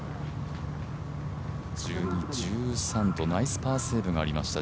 １２、１３とナイスパーセーブがありました。